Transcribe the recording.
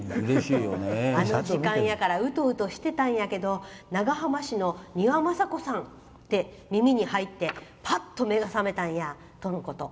あの時間やからうとうとしてたんやけど長浜市のにわまさこさんって耳に入ってパッと目が覚めたんやとのこと。